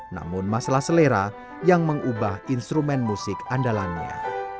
namun masalah selera yang mengubah instrumen musik andalannya